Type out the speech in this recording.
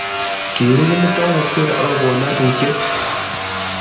Kiru Kimutai Kokwer akokon nyasutiet